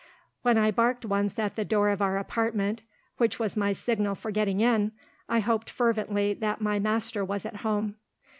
When I barked once at the door of our apartment, which was my signal for getting in, I hoped fervently that my master was at home.